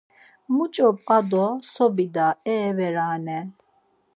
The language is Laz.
Muç̌o p̌a do so bida e verane.